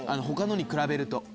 他のに比べると。